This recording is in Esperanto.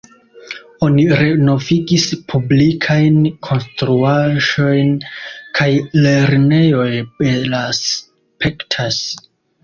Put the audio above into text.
Oni renovigis publikajn konstruaĵojn kaj lernejoj belaspektas.